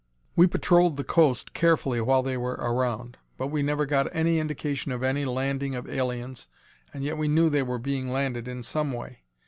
"We patrolled the coast carefully while they were around but we never got any indication of any landing of aliens and yet we knew they were being landed in some way.